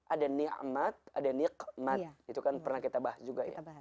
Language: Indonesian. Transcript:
ada ni'mat ada niqmat itu kan pernah kita bahas juga ya